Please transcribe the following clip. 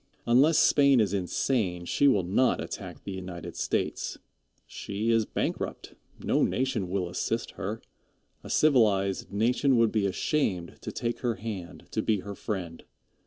Unless Spain is insane, she will not attack the United States. She is bankrupt. No nation will assist her. A civilized nation would be ashamed to take her hand, to be her friend.